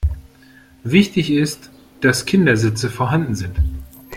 Wichtig ist, dass Kindersitze vorhanden sind.